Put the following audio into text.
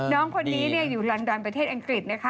น้องคนนี้อยู่ลอนดอนประเทศอังกฤษนะคะ